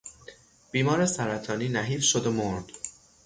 بیمار سرطانی نحیف شد و مرد.